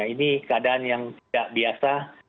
ini keadaan yang tidak biasa